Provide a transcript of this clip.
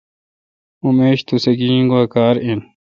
اؙن میش توسہ گیجین گوا کار این۔